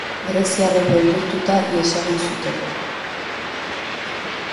Greziarrek beldurtuta ihes egiten dute.